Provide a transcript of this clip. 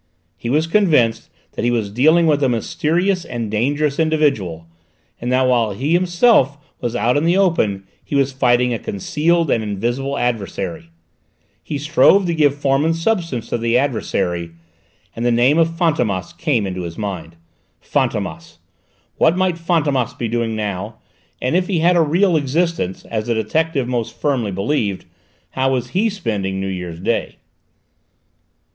He was convinced that he was dealing with a mysterious and dangerous individual, and that while he himself was out in the open he was fighting a concealed and invisible adversary; he strove to give form and substance to the adversary, and the name of Fantômas came into his mind. Fantômas! What might Fantômas be doing now, and, if he had a real existence, as the detective most firmly believed, how was he spending New Year's Day?